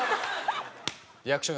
リアクション？